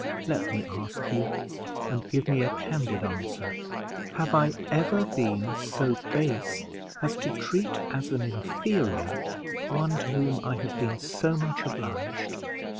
Let me ask you, and give me a candid answer: Have I ever been so base as to treat as an inferior one to whom I have been so much obliged?"